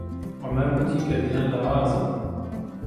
عومەر گوتی کە ڤیان لاوازە.